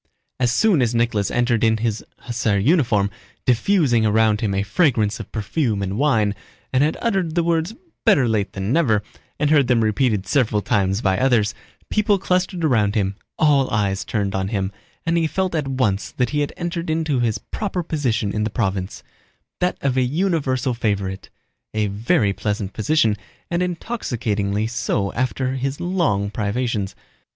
As soon as Nicholas entered in his hussar uniform, diffusing around him a fragrance of perfume and wine, and had uttered the words "better late than never" and heard them repeated several times by others, people clustered around him; all eyes turned on him, and he felt at once that he had entered into his proper position in the province—that of a universal favorite: a very pleasant position, and intoxicatingly so after his long privations.